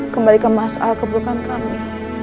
kembalikan mas'al kebutuhan kami